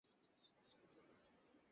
তোমার যা বলার বলো।